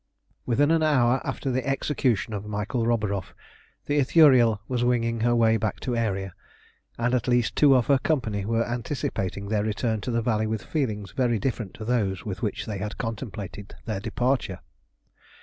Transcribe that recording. Within an hour after the execution of Michael Roburoff the Ithuriel was winging her way back to Aeria, and at least two of her company were anticipating their return to the valley with feelings very different to those with which they had contemplated their departure.